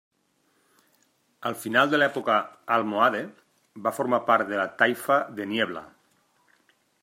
Al final de l'època almohade va formar part de la taifa de Niebla.